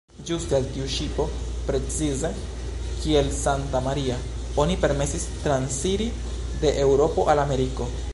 Ĝuste al tiu ŝipo, precize kiel "Santa-Maria", oni permesis transiri de Eŭropo al Ameriko.